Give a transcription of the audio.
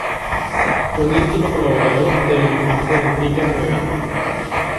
Fue un íntimo colaborador del Infante Enrique el Navegante.